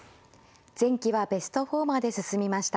前期はベスト４まで進みました。